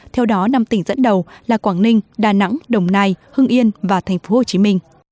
theo đó năm tỉnh dẫn đầu là quảng ninh đà nẵng đồng nai hưng yên và tp hcm